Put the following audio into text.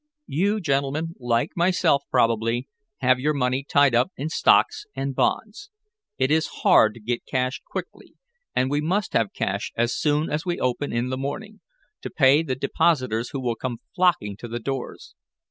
You gentlemen, like myself, probably, have your money tied up in stocks and bonds. It is hard to get cash quickly, and we must have cash as soon as we open in the morning, to pay the depositors who will come flocking to the doors.